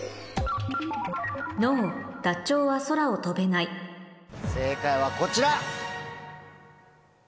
「ＮＯダチョウは空を飛べない」正解はこちら！